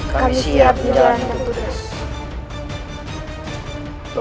kami siap menjalankan tugas